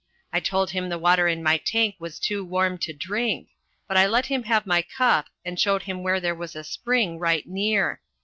I told him the water in my tank was too warm to drink, but I let him have my cup and showed him where there was a spring right near.